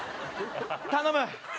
頼む！